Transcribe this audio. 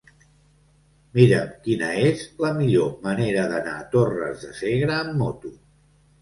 Mira'm quina és la millor manera d'anar a Torres de Segre amb moto.